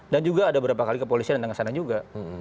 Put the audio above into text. dan juga ada beberapa kali kepolisian yang datang ke sana juga